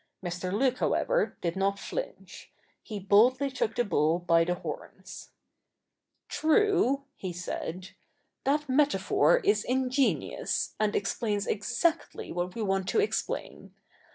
Mr. Luke, however, did not flinch. He boldly took the bull by the horns. ' True,' he said :' that metaphor is ingenious, and explains exactly what we want to explain.